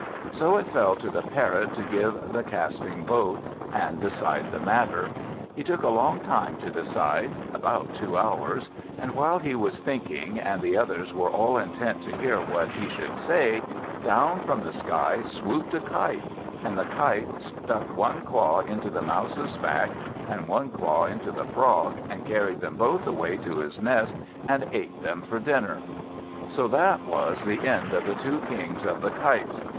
So it fell to the Parrot to give the casting vote, and decide the matter. He took a long time to decide, about two hours; and while he was thinking, and the others were all intent to hear what he should say, down from the sky swooped a Kite; and the Kite stuck one claw into the Mouse's back, and one claw into the Frog, and carried them both away to his nest, and ate them for dinner. So that was the end of the two Kings of the Kites.